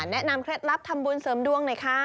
แนะนำเคล็ดลับทำบุญเสริมดวง